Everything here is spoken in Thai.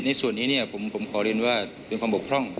ในส่วนนี้ผมขอเรียนว่าเป็นความบกพร่อง